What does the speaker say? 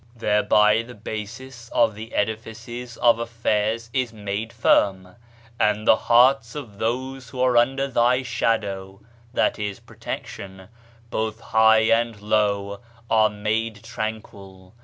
" Thereby the basis of the edifices of affairs is made firm, and the hearts of those who are under thy shadow {i.e. protection), both high and low, are made tranquil.